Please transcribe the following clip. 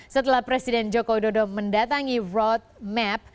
setelah presiden joko widodo mendatangi roadmap